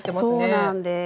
そうなんです。